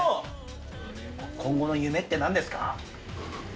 今後の夢って何ですか？